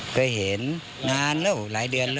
เคยเห็นนานแล้วหลายเดือนแล้ว